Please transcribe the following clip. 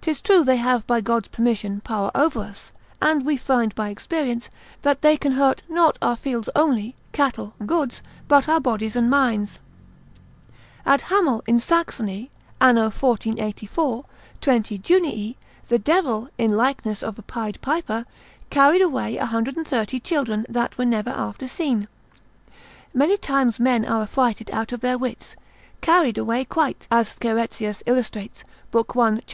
'Tis true they have, by God's permission, power over us, and we find by experience, that they can hurt not our fields only, cattle, goods, but our bodies and minds. At Hammel in Saxony, An. 1484. 20 Junii, the devil, in likeness of a pied piper, carried away 130 children that were never after seen. Many times men are affrighted out of their wits, carried away quite, as Scheretzius illustrates, lib. 1, c.